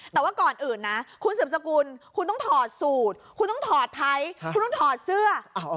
แต่ว่าก่อนอื่นนะคุณสืบสกุลคุณต้องถอดสูตรคุณต้องถอดไทยคุณต้องถอดเสื้อ